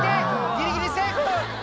ギリギリセーフ！」